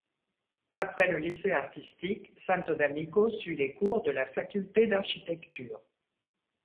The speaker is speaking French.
Après le lycée artistique, Santo D'Amico suit les cours de la faculté d'architecture.